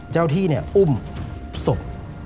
เจ้าที่อุ้มศพ